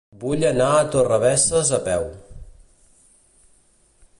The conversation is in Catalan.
Vull anar a Torrebesses a peu.